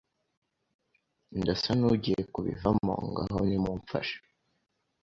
Ndasa.nugiye kubivamo ngaho nimumfashe